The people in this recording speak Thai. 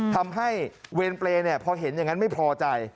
ทำให้เวรเปรย์พอเห็นอย่างนั้นไม่พอใจ